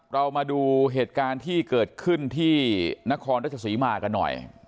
เรามาดูเหตุการณ์ที่เกิดขึ้นที่นครราชสีมากันหน่อย